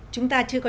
chúng ta chưa có